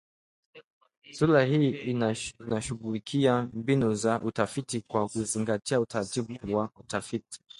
Sura hii inashughulikia mbinu za utafiti kwa kuzingatia utaratibu wa utafiti